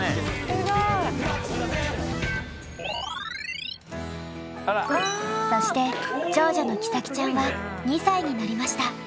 すごい！そして長女の希咲ちゃんは２歳になりました。